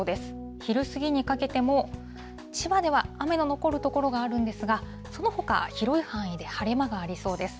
昼過ぎにかけても、千葉では雨の残る所があるんですが、そのほか、広い範囲で晴れ間がありそうです。